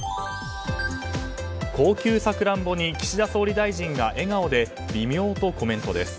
高級サクランボに岸田総理大臣が笑顔で微妙とコメントです。